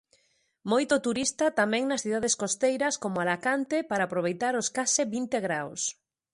Moito turista tamén nas cidades costeiras, coma Alacante, para aproveitar os case vinte graos.